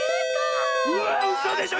うわうそでしょ！